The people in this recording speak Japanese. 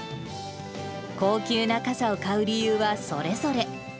高級な傘を買う理由はそれぞれ。